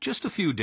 で。